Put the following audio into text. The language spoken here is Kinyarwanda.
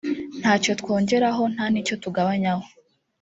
ntacyo twongeraho nta n’icyo tugabanyaho”